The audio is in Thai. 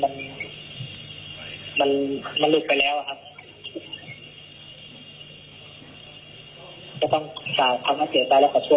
ต้องปล่อยพ่อเจ้าไปแล้วก่อช่วยด้วยครับ